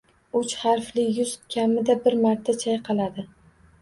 Uch harfli yuz kamida bir marta chayqaladi